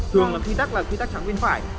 thường là quy tắc là quy tắc thẳng bên phải